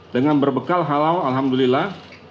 dengan berbekal halau alhamdulillah